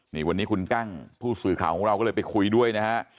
นี่วันนี้คุณกั้งผู้สื่อข่าวของเราก็เลยไปคุยด้วยนะฮะ